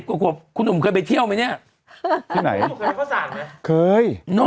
หู๑๐กว่าคุณหนุ่มเคยไปเที่ยวมั้ยเนี่ย